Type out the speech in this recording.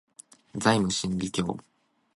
ザイム真理教